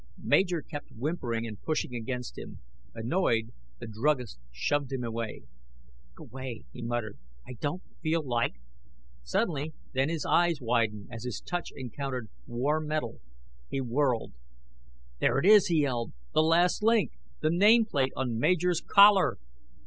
Major kept whimpering and pushing against him. Annoyed, the druggist shoved him away. "Go 'way," he muttered. "I don't feel like " Suddenly then his eyes widened, as his touch encountered warm metal. He whirled. "There it is!" he yelled. "The last link. _The nameplate on Major's collar!